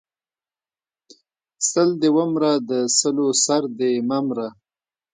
سل دې ومره د سلو سر دې مه مره!